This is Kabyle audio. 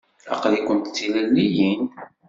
Aql-ikent d tilelliyin?